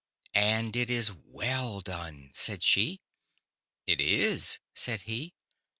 " And it is we// done," said she. " It is," said he.